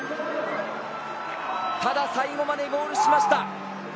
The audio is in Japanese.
ただ、最後までゴールしました。